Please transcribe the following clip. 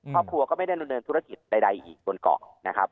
ครอบครัวก็ไม่ได้ดำเนินธุรกิจใดอีกบนเกาะนะครับ